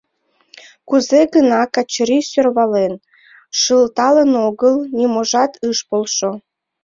Кузе гына Качырий сӧрвален, шылтален огыл, ниможат ыш полшо.